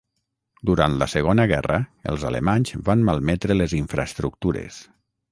Durant la segona guerra els alemanys van malmetre les infraestructures.